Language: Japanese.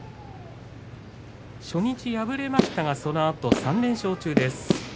初日、敗れましたがそのあと３連勝中です。